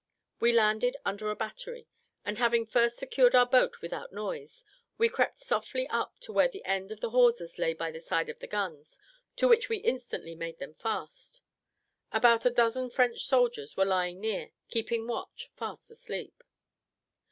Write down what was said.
We landed under the battery, and having first secured our boat without noise, we crept softly up to where the end of the hawsers lay by the side of the guns, to which we instantly made them fast. About a dozen French soldiers were lying near, keeping watch, fast asleep.